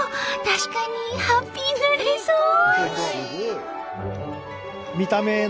確かにハッピーになれそう！